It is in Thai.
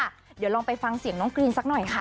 เดี๋ยวลองไปฟังเสียงน้องกรีนสักหน่อยค่ะ